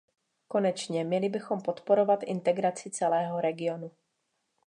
Konečně, měli bychom podporovat integraci celého regionu.